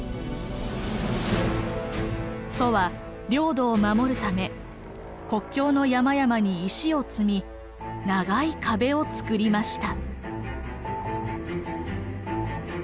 楚は領土を守るため国境の山々に石を積み長い壁をつくりました。